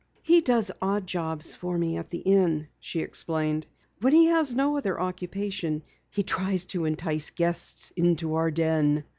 "He does odd jobs for me at the Inn," she explained. "When he has no other occupation he tries to entice guests into our den."